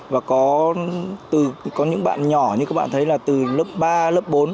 và có những bạn nhỏ như các bạn thấy là từ lớp ba lớp bốn